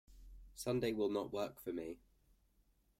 Sunday will not work for me.